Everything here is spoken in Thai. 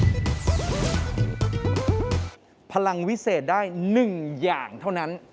พลังวิเศษได้๑อย่างเท่านั้น